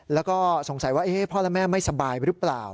แล้วก็สงสัยว่าพ่อและแม่ไม่สบายหรือเปล่า